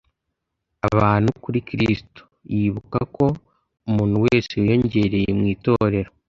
abantu kuri Kristo, yibuka ko umuntu wese wiyongereye mu Itorero